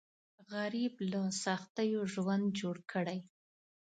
غریب له سختیو ژوند جوړ کړی